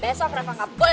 dan jangan kembali lagi